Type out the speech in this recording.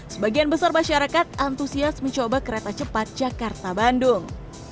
sebagian besar masyarakat antusias mencoba kereta cepat jakarta bandung